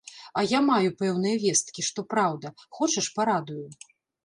А я маю пэўныя весткі, што праўда, хочаш, парадую?